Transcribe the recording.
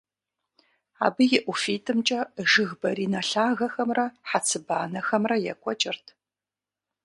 Абы и ӀуфитӀымкӀэ жыг баринэ лъагэхэмрэ хьэцыбанэхэмрэ екӀуэкӀырт.